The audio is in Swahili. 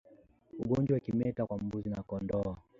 Ugonjwa wa kimeta kwa mbuzi na kondoo